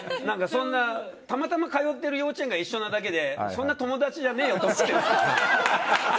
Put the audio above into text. そんなたまたま通っている幼稚園が一緒なだけで友達じゃねえよって。